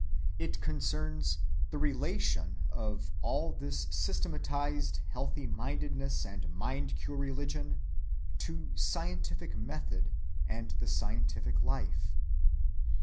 It concerns the relation of all this systematized healthy‐mindedness and mind‐cure religion to scientific method and the scientific life.